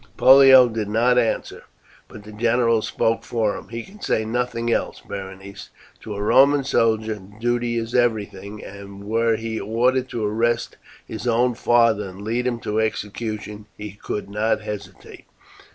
Pollio did not answer, but the general spoke for him. "He can say nothing else, Berenice. To a Roman soldier duty is everything, and were he ordered to arrest his own father and lead him to execution he could not hesitate."